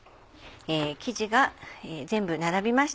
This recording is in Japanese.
生地が全部並びました。